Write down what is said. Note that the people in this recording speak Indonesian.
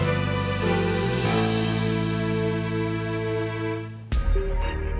itu dari teman ya